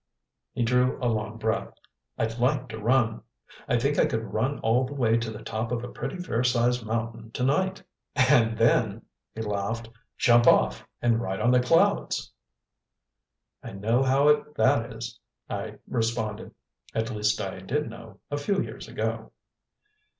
he drew a long breath "I'd like to run. I think I could run all the way to the top of a pretty fair sized mountain to night, and then" he laughed "jump off and ride on the clouds." "I know how that is," I responded. "At least I did know a few years ago."